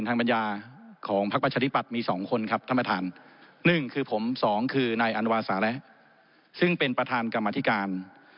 ท่านประธานหนึ่งคือผมสองคือนายอันวาสาระซึ่งเป็นประธานกรรมอธิการ